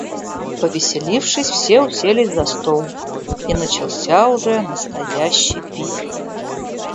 Повеселившись, все уселись за стол, и начался уже настоящий пир.